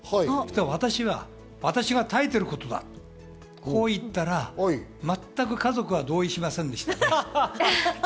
私は、私が耐えてることだと言ったら、全く家族は同意しませんでしたね。